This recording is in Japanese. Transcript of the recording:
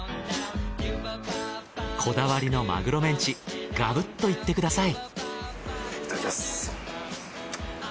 こだわりのまぐろメンチガブッといってください。